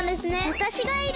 わたしがいる！